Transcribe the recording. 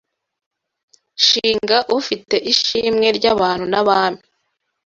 Shinga ufite ishimwe Ry’abantu n’abami